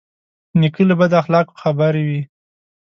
نیکه له بد اخلاقو خبروي.